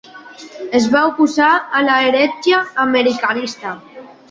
Es va oposar a la heretgia americanista.